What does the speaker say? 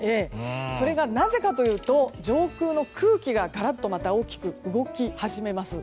それがなぜかというと上空の空気がガラッとまた大きく動き始めます。